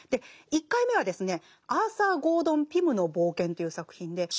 １回目は「アーサー・ゴードン・ピムの冒険」という作品で。